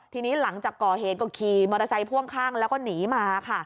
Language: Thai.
ทีนี้หลังจากก่อเหตุก็ขี่มอเตอร์ไซค์พ่วงข้างแล้วก็หนีมาค่ะ